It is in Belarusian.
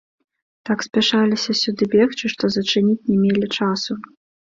Так спяшаліся сюды бегчы, што зачыніць не мелі часу.